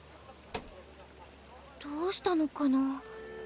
どうしたのかな？